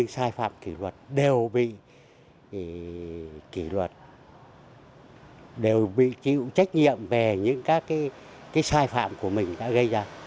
sai phạm kỳ luật đều bị kỳ luật đều bị chịu trách nhiệm về những các cái sai phạm của mình đã gây ra